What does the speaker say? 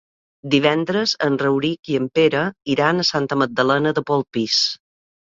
Divendres en Rauric i en Pere iran a Santa Magdalena de Polpís.